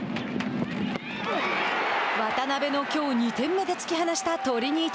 渡邉のきょう２点目で突き放したトリニータ。